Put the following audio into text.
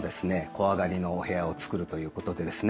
小上がりのお部屋を作るということでですね